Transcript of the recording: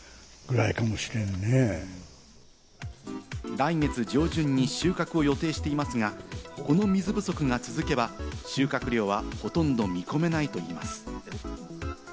来月上旬に収穫の予定をしていますが、この水不足が続けば、収穫量はほとんど見込めないといいます。